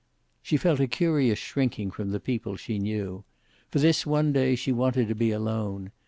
She felt a curious shrinking from the people she knew. For this one day she wanted to be alone.